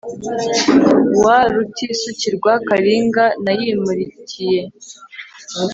wa Rutisukirwa Kalinga nayimulikiye